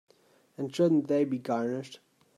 And shouldn't they be garnished?